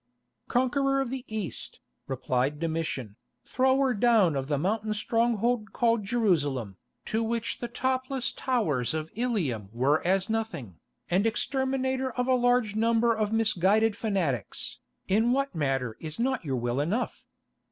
"Conqueror of the East," replied Domitian, "Thrower down of the mountain stronghold called Jerusalem, to which the topless towers of Ilium were as nothing, and Exterminator of a large number of misguided fanatics, in what matter is not your will enough?